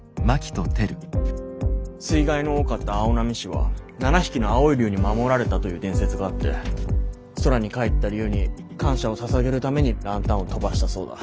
水害の多かった青波市は７匹の青い龍に守られたという伝説があって空に帰った龍に感謝をささげるためにランタンを飛ばしたそうだ。